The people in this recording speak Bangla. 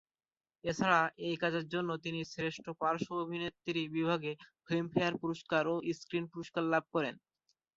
এছাড়া এই কাজের জন্য তিনি শ্রেষ্ঠ পার্শ্ব অভিনেত্রী বিভাগে ফিল্মফেয়ার পুরস্কার ও স্ক্রিন পুরস্কার লাভ করেন।